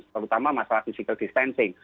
terutama masalah physical distancing